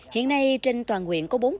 hiện nay trên toàn nguyện có bốn cơ sở